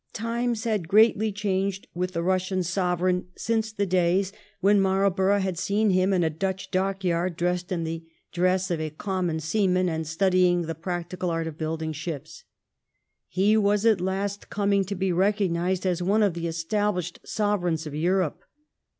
Times had greatly changed with the Eussian Sovereign since the days when Marlborough had seen him in a Dutch dockyard dressed in the dress of a common seaman 14 THE REIGN OF QUEEN ANNE. ch. xxi. and studying the practical art of building ships. He was at last coming to be recognised as one of the established sovereigns of Europe.